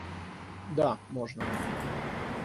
Да, можно